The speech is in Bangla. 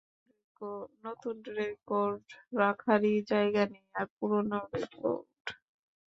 নতুন রেকর্ড রাখারই জায়গা নেই, আর পুরনো রেকর্ড।